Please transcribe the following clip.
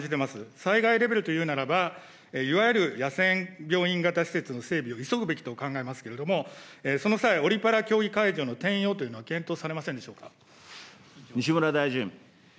災害レベルというならば、いわゆる野戦病院型施設の整備を急ぐべきと考えますけど、その際、オリパラ競技会場の転用というのは、西村大臣。